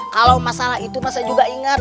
kalau masalah itu mas saya juga ingat